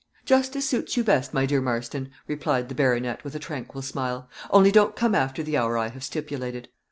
"Just as suits you best, my dear Marston," replied the baronet, with a tranquil smile; "only don't come after the hour I have stipulated."